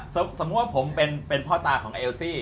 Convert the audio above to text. สมมุติว่าผมเป็นพ่อตาของเอลซี่